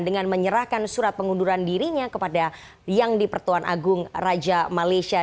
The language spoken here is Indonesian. dengan menyerahkan surat pengunduran dirinya kepada yang di pertuan agung raja malaysia